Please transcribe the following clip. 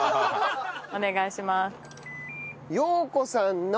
お願いします。